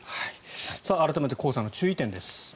改めて黄砂の注意点です。